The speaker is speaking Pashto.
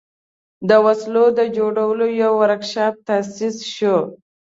د وسلو د جوړولو یو ورکشاپ تأسیس شو.